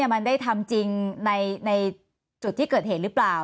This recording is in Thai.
มันได้ทำจริงในจุดที่เกิดเหตุหรือเปล่า